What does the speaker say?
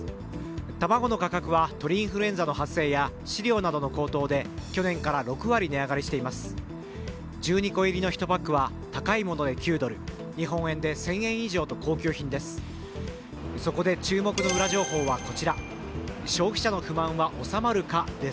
卵の価格は鳥インフルエンザの発生や飼料などの高騰で去年から６割値上がりしています。